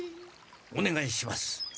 おねがいします。